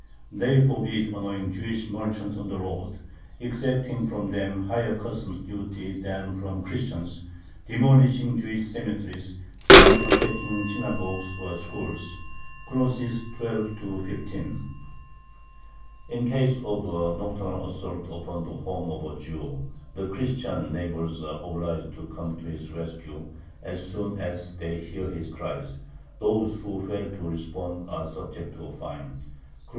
They forbid annoying Jewish merchants on the road, exacting from them higher customs duties than from Christians, demolishing Jewish cemeteries, and attacking synagogues or "schools" (§§12 15). In case of a nocturnal assault upon the home of a Jew, the Christian neighbors are obliged to come to his rescue as soon as they hear his cries; those who fail to respond are subject to a fine (§36).